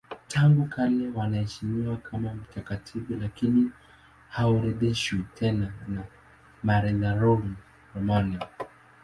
Tangu kale wanaheshimiwa kama mtakatifu lakini haorodheshwi tena na Martyrologium Romanum.